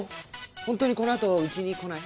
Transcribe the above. ホントにこのあとうちに来ない？